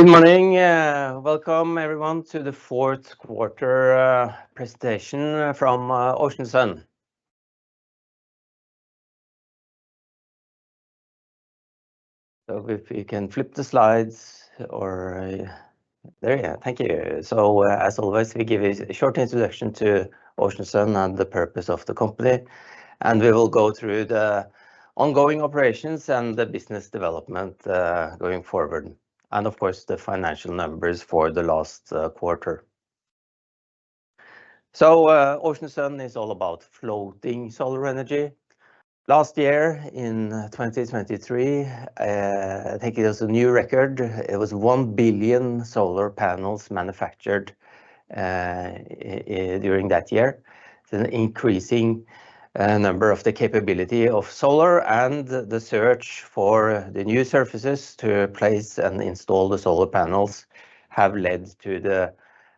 Good morning! Welcome everyone to the Q4 presentation from Ocean Sun. If you can flip the slides or... There, yeah, thank you. As always, we give a short introduction to Ocean Sun and the purpose of the company, and we will go through the ongoing operations and the business development going forward, and of course, the financial numbers for the last quarter. Ocean Sun is all about floating solar energy. Last year, in 2023, I think it was a new record. It was 1 billion solar panels manufactured during that year. It's an increasing number of the capability of solar and the search for the new surfaces to place and install the solar panels, have led to the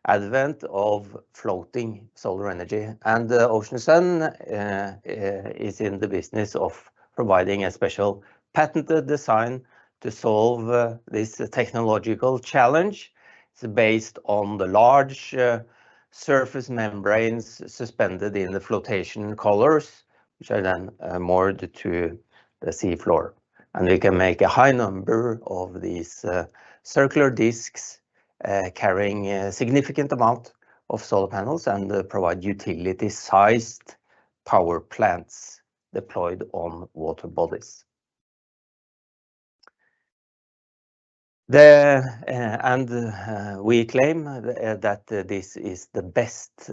advent of floating solar energy. The Ocean Sun is in the business of providing a special patented design to solve this technological challenge. It's based on the large surface membranes suspended in the flotation collars, which are then moored to the sea floor. And we can make a high number of these circular discs carrying a significant amount of solar panels and provide utility-sized power plants deployed on water bodies. We claim that this is the best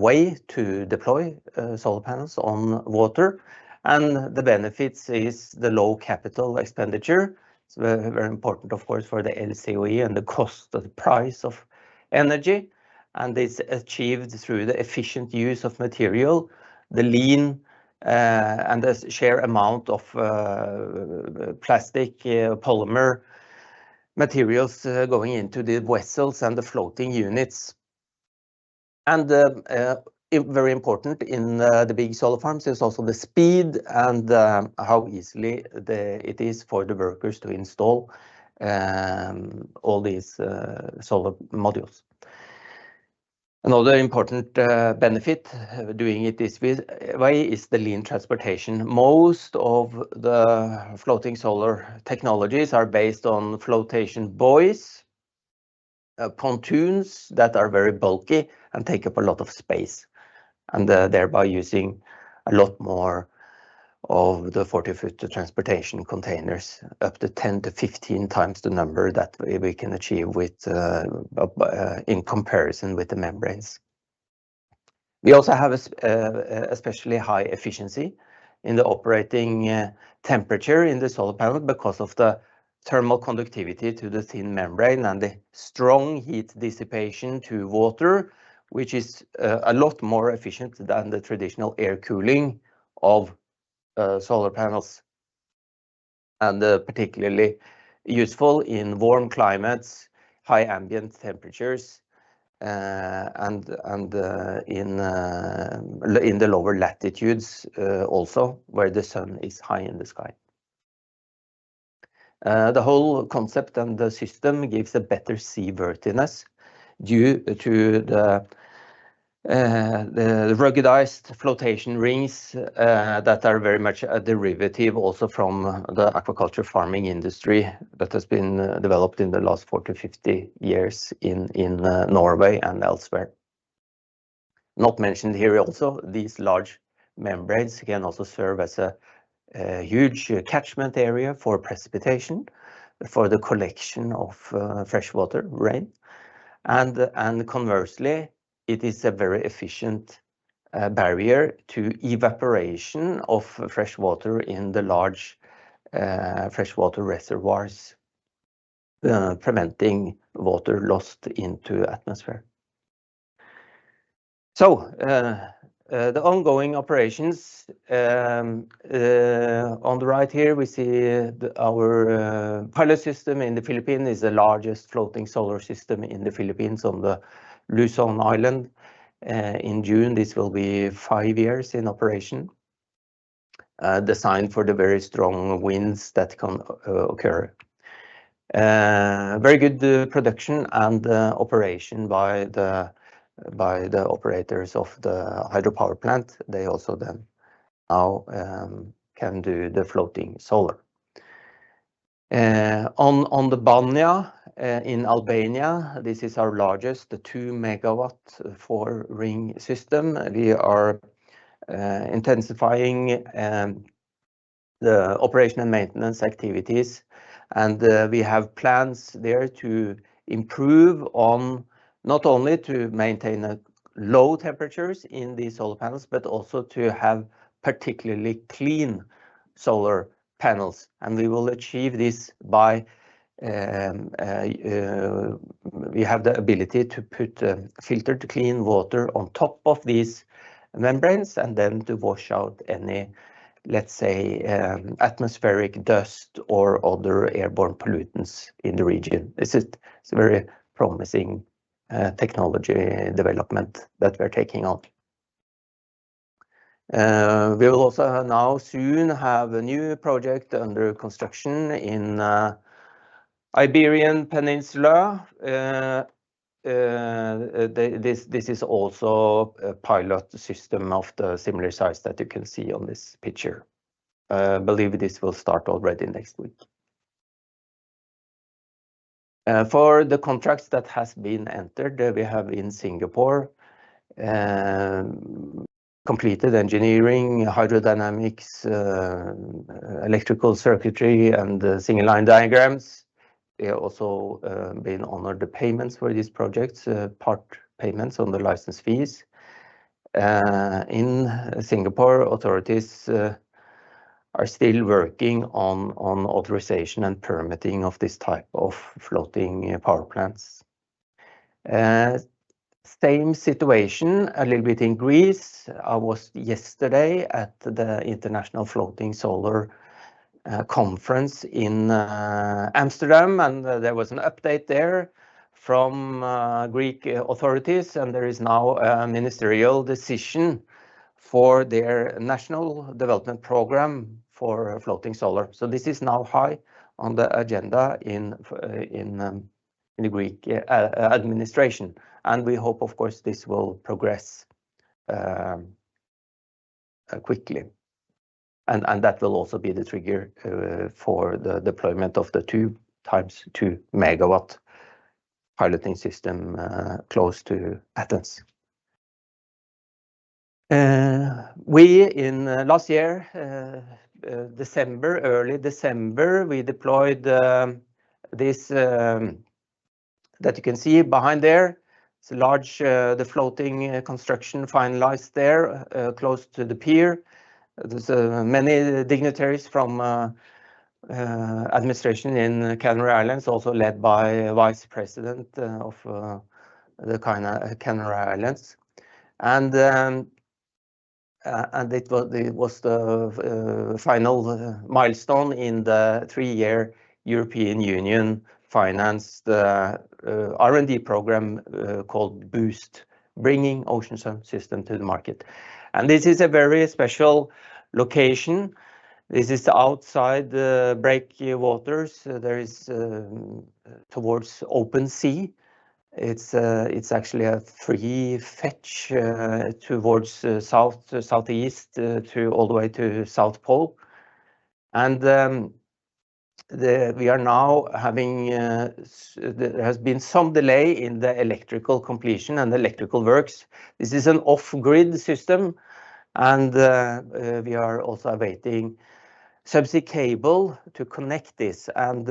way to deploy solar panels on water, and the benefits is the low capital expenditure. It's very, very important, of course, for the LCOE and the cost of the price of energy, and this is achieved through the efficient use of material, the lean and the sheer amount of plastic, polymer materials going into the vessels and the floating units. Very important in the big solar farms is also the speed and how easily it is for the workers to install all these solar modules. Another important benefit of doing it this way is the lean transportation. Most of the floating solar technologies are based on flotation buoys, pontoons that are very bulky and take up a lot of space, and thereby using a lot more of the 40-50 transportation containers, up to 10-15 times the number that we can achieve with, in comparison with the membranes. We also have an especially high efficiency in the operating temperature in the solar panel because of the thermal conductivity to the thin membrane and the strong heat dissipation to water, which is a lot more efficient than the traditional air cooling of solar panels, and particularly useful in warm climates, high ambient temperatures, and, and, in, in the lower latitudes, also, where the sun is high in the sky. The whole concept and the system gives a better seaworthiness due to the, the ruggedized flotation rings, that are very much a derivative also from the aquaculture farming industry that has been developed in the last 40, 50 years in, in, Norway and elsewhere. Not mentioned here also, these large membranes can also serve as a huge catchment area for precipitation, for the collection of freshwater rain. And conversely, it is a very efficient barrier to evaporation of freshwater in the large freshwater reservoirs, preventing water lost into atmosphere. So the ongoing operations, on the right here, we see our pilot system in the Philippines is the largest floating solar system in the Philippines on the Luzon Island. In June, this will be five years in operation, designed for the very strong winds that can occur. Very good production and operation by the operators of the hydropower plant. They also then now can do the floating solar. On the Banja in Albania, this is our largest, the 2 MW four-ring system. We are intensifying the operation and maintenance activities, and we have plans there to improve on not only to maintain the low temperatures in these solar panels, but also to have particularly clean solar panels. We will achieve this by we have the ability to put a filter to clean water on top of these membranes, and then to wash out any, let's say, atmospheric dust or other airborne pollutants in the region. This is a very promising technology development that we're taking on. We will also now soon have a new project under construction in Iberian Peninsula. This is also a pilot system of the similar size that you can see on this picture. Believe this will start already next week. For the contracts that has been entered, we have in Singapore completed engineering, hydrodynamics, electrical circuitry, and single line diagrams. We are also been honored the payments for these projects, part payments on the license fees. In Singapore, authorities are still working on authorization and permitting of this type of floating power plants. Same situation a little bit in Greece. I was yesterday at the International Floating Solar Conference in Amsterdam, and there was an update there from Greek authorities, and there is now a ministerial decision for their national development program for floating solar. So this is now high on the agenda in the Greek administration, and we hope, of course, this will progress quickly. That will also be the trigger for the deployment of the 2 times 2 megawatt piloting system close to Athens. We in last year December, early December, we deployed this that you can see behind there. It's a large the floating construction finalized there close to the pier. There's many dignitaries from administration in the Canary Islands, also led by vice president of the Canary Islands. And it was the final milestone in the three-year European Union financed R&D program called BOOST, bringing Ocean Sun to the market. And this is a very special location. This is outside the break waters. There is towards open sea. It's actually a free fetch towards south, southeast, to all the way to South Pole. And we are now having there has been some delay in the electrical completion and electrical works. This is an off-grid system, and we are also awaiting subsea cable to connect this. And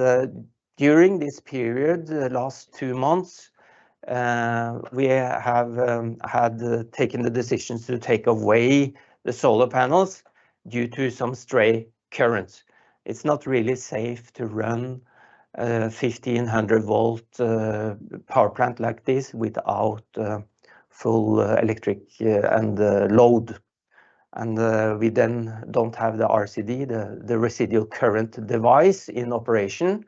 during this period, the last two months, we have had taken the decisions to take away the solar panels due to some stray currents. It's not really safe to run 1,500-volt power plant like this without full electric and load. And we then don't have the RCD, the residual current device in operation,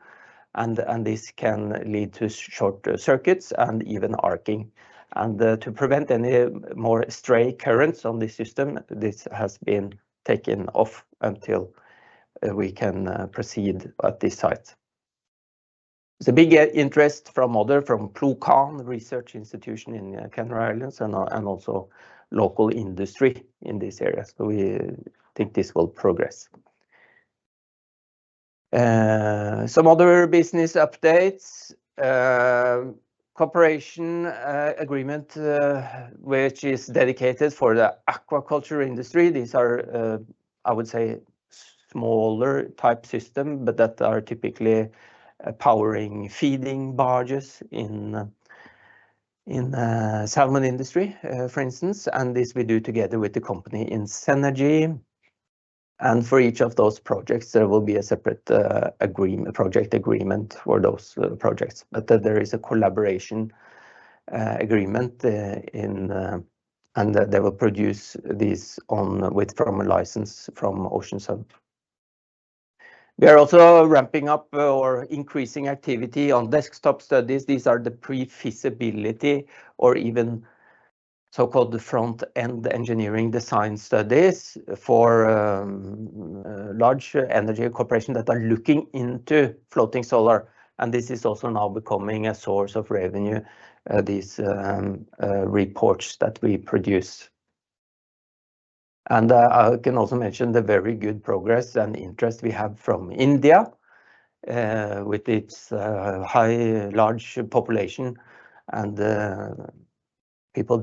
and this can lead to short circuits and even arcing. To prevent any more stray currents on the system, this has been taken off until we can proceed at this site. There's a big interest from other, from PLOCAN research institution in Canary Islands and also local industry in this area, so we think this will progress. Some other business updates. Cooperation agreement which is dedicated for the aquaculture industry. These are, I would say, smaller type system, but that are typically powering, feeding barges in the salmon industry, for instance, and this we do together with the company Inseanergy. And for each of those projects, there will be a separate agreement, project agreement for those projects, but there is a collaboration agreement in place, and they will produce this one with a license from Ocean Sun. We are also ramping up or increasing activity on desktop studies. These are the pre-feasibility or even so-called the front-end engineering design studies for large energy corporations that are looking into floating solar, and this is also now becoming a source of revenue, these reports that we produce. I can also mention the very good progress and interest we have from India with its high large population and people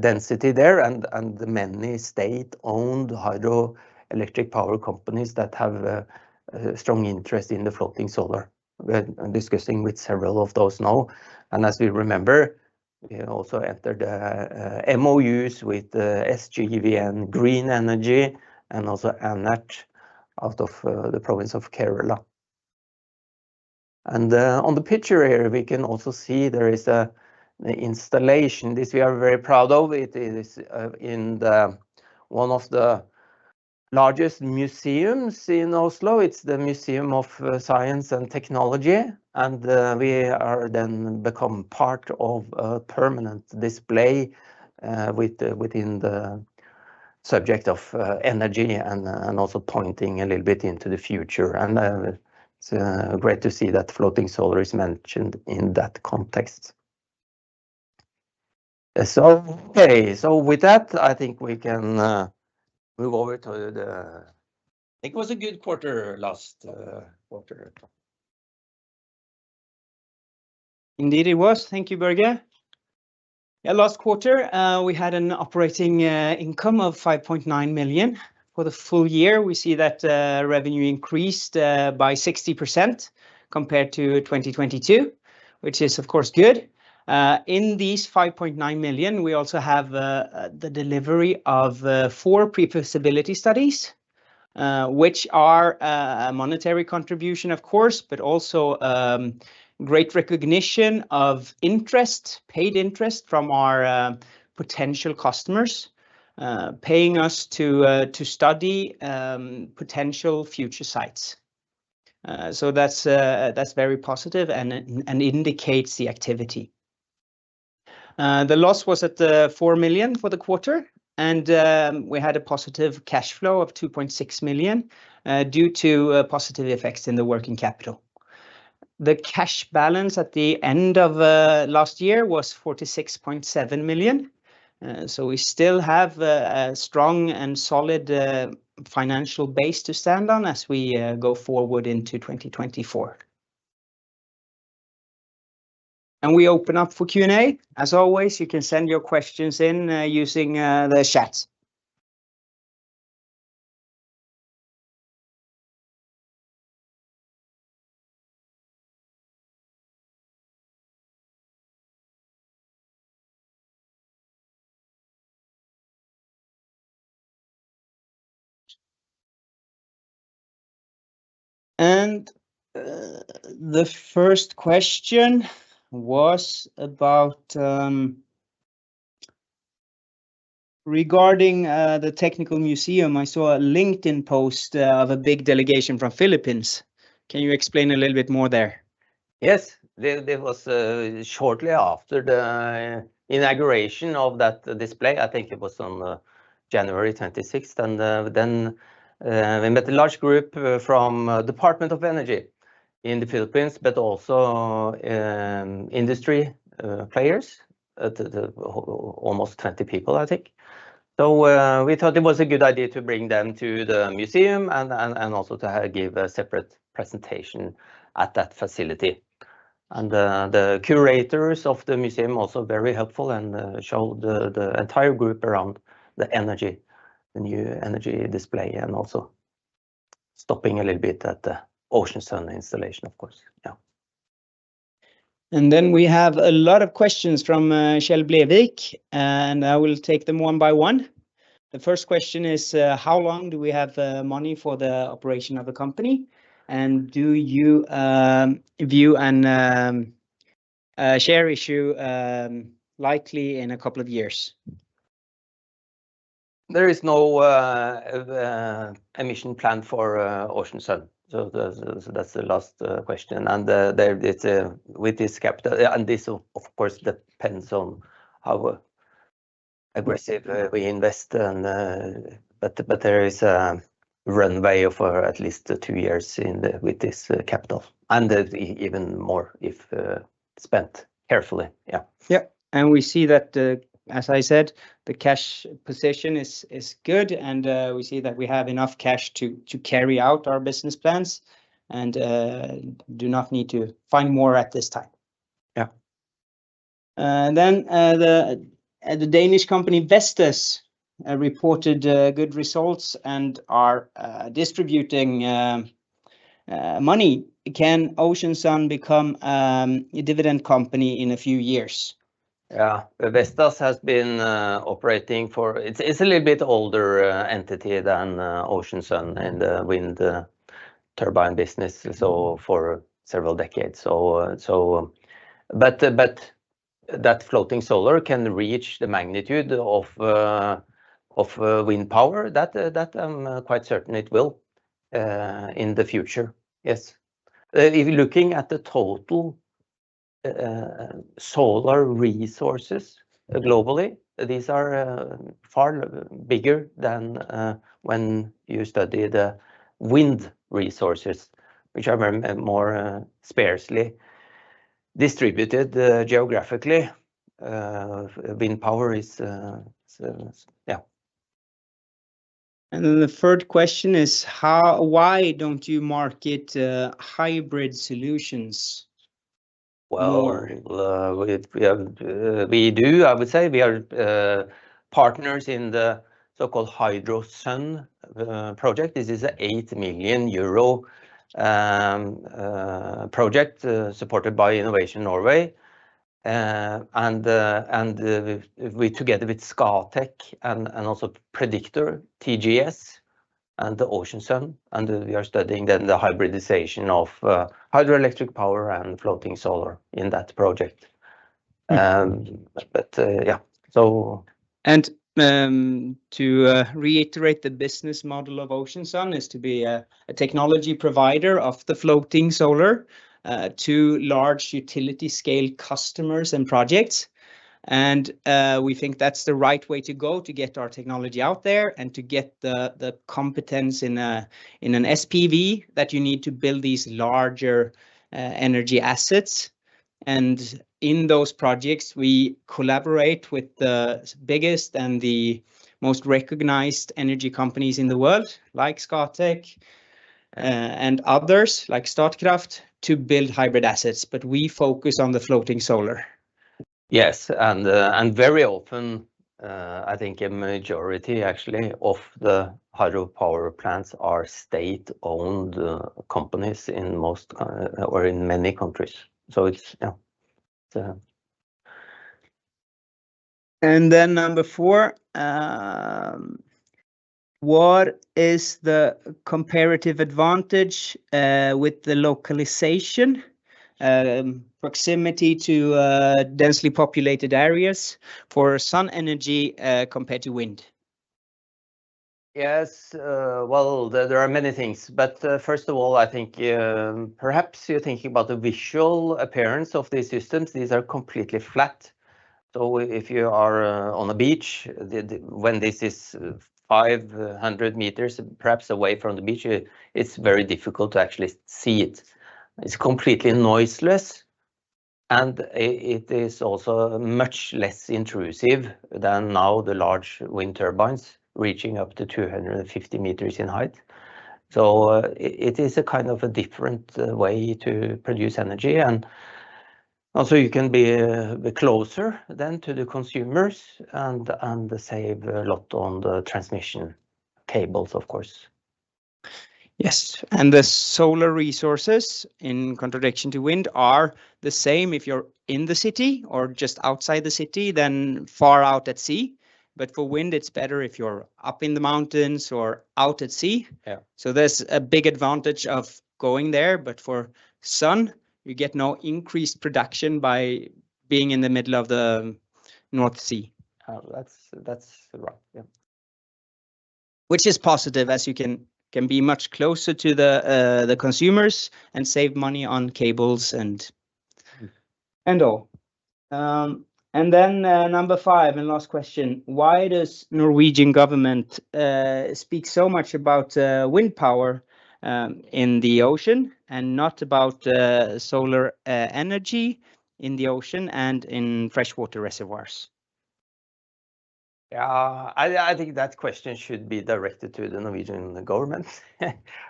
density there, and the many state-owned hydroelectric power companies that have a strong interest in the floating solar. We're discussing with several of those now, and as we remember, we also entered MOUs with SJVN and Green Energy and also ANERT out of the province of Kerala. On the picture here, we can also see there is an installation. This we are very proud of. It is, in the one of the-... largest museums in Oslo, it's the Museum of Science and Technology, and we are then become part of a permanent display within the subject of energy and also pointing a little bit into the future. It's great to see that floating solar is mentioned in that context. So, okay, so with that, I think we can move over to the- It was a good quarter last quarter. Indeed, it was. Thank you, Børge. Yeah, last quarter, we had an operating income of 5.9 million. For the full year, we see that revenue increased by 60% compared to 2022, which is, of course, good. In these 5.9 million, we also have the delivery of 4 pre-feasibility studies, which are a monetary contribution, of course, but also great recognition of interest-paid interest from our potential customers, paying us to study potential future sites. So that's very positive and indicates the activity. The loss was at 4 million for the quarter, and we had a positive cash flow of 2.6 million due to positive effects in the working capital. The cash balance at the end of last year was 46.7 million, so we still have a strong and solid financial base to stand on as we go forward into 2024. We open up for Q&A. As always, you can send your questions in using the chat. The first question was about regarding the technical museum. I saw a LinkedIn post of a big delegation from Philippines. Can you explain a little bit more there? Yes. There was shortly after the inauguration of that display, I think it was on January 26th, and then we met a large group from Department of Energy in the Philippines, but also industry players too, almost 20 people, I think. So we thought it was a good idea to bring them to the museum, and also to give a separate presentation at that facility. And the curators of the museum also very helpful and showed the entire group around the energy, the new energy display, and also stopping a little bit at the Ocean Sun installation, of course. Yeah. Then we have a lot of questions from Kjell Blevik, and I will take them one by one. The first question is: How long do we have money for the operation of the company? And do you view a share issue likely in a couple of years? There is no emission plan for Ocean Sun. That's the last question. There it's with this capital- and this, of course, depends on how aggressive we invest and... But there is a runway for at least two years with this capital, and even more if spent carefully. Yeah. Yeah, and we see that, as I said, the cash position is good, and we see that we have enough cash to carry out our business plans and do not need to find more at this time. Yeah. And then, the Danish company, Vestas, reported good results and are distributing money. Can Ocean Sun become a dividend company in a few years? Yeah. Vestas has been operating for—it's a little bit older entity than Ocean Sun in the wind turbine business, so for several decades. So, but that floating solar can reach the magnitude of wind power, that I'm quite certain it will in the future. Yes. If you're looking at the total solar resources globally, these are far bigger than when you study the wind resources, which are more sparsely distributed geographically. Wind power is, yeah. The third question is, why don't you market hybrid solutions? Well... We do. I would say we are partners in the so-called Hydrosun project. This is a 8 million euro project supported by Innovation Norway. We together with Scatec and also Prediktor, TGS, and Ocean Sun are studying then the hybridization of hydroelectric power and floating solar in that project. But yeah, so. To reiterate, the business model of Ocean Sun is to be a technology provider of the floating solar to large utility scale customers and projects. We think that's the right way to go to get our technology out there, and to get the competence in an SPV that you need to build these larger energy assets. In those projects, we collaborate with the biggest and the most recognized energy companies in the world, like Scatec and others, like Statkraft, to build hybrid assets, but we focus on the floating solar. Yes, and and very often, I think a majority actually, of the hydropower plants are state-owned companies in most, or in many countries. So it's, yeah, so... Number 4, what is the comparative advantage with the localization, proximity to densely populated areas for sun energy, compared to wind? Yes, well, there are many things, but first of all, I think perhaps you're thinking about the visual appearance of these systems. These are completely flat, so if you are on a beach, when this is 500 meters perhaps away from the beach, it's very difficult to actually see it. It's completely noiseless, and it is also much less intrusive than now the large wind turbines reaching up to 250 meters in height. So, it is a kind of a different way to produce energy, and also you can be closer to the consumers, and save a lot on the transmission cables, of course. Yes, and the solar resources, in contradiction to wind, are the same if you're in the city or just outside the city than far out at sea. But for wind, it's better if you're up in the mountains or out at sea. Yeah. So there's a big advantage of going there, but for sun, you get no increased production by being in the middle of the North Sea. That's, that's right, yeah. Which is positive, as you can be much closer to the consumers and save money on cables and all. And then, number five, and last question: Why does Norwegian government speak so much about wind power in the ocean, and not about solar energy in the ocean and in freshwater reservoirs? I think that question should be directed to the Norwegian government,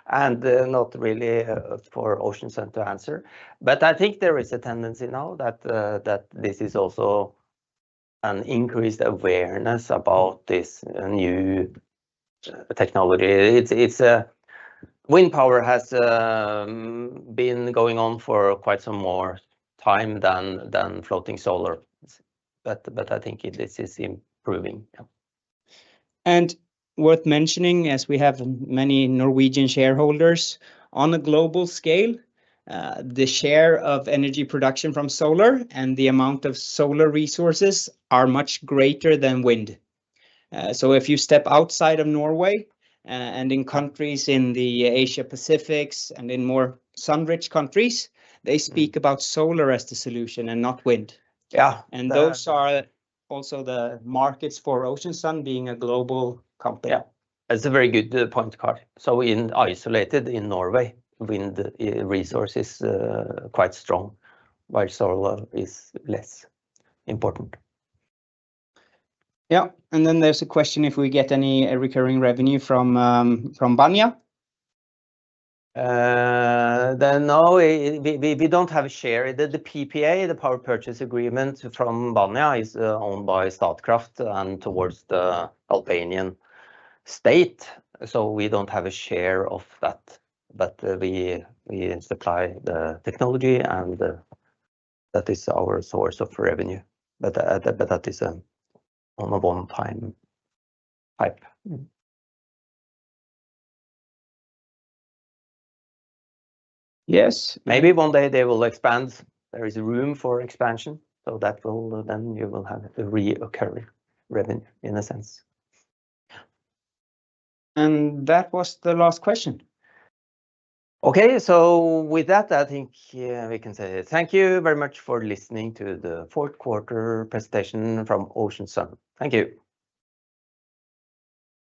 and not really for Ocean Sun to answer. But I think there is a tendency now that this is also an increased awareness about this new technology. It's... Wind power has been going on for quite some more time than floating solar, but I think this is improving, yeah. Worth mentioning, as we have many Norwegian shareholders, on a global scale, the share of energy production from solar and the amount of solar resources are much greater than wind. So if you step outside of Norway, and in countries in the Asia-Pacifics, and in more sun-rich countries, they speak about solar as the solution and not wind. Yeah. Those are also the markets for Ocean Sun, being a global company. Yeah, that's a very good point, Karl. So in isolation in Norway, wind resource is quite strong, while solar is less important. Yeah, and then there's a question if we get any recurring revenue from Banja. Then no, we don't have a share. The PPA, the power purchase agreement from Banja, is owned by Statkraft and towards the Albanian state, so we don't have a share of that. But we supply the technology, and that is our source of revenue. But that is on a one-time type. Yes. Maybe one day they will expand. There is room for expansion, so that will, then you will have recurring revenue, in a sense. That was the last question. Okay, so with that, I think, yeah, we can say thank you very much for listening to the Q4 presentation from Ocean Sun. Thank you.